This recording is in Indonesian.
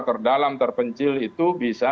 terdalam terpencil itu bisa